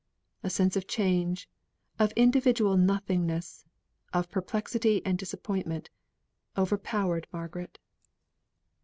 A sense of change, of individual nothingness, of perplexity and disappointment, overpowered Margaret.